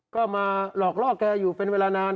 ก็มาหลอกล่อแกอยู่เป็นเวลานาน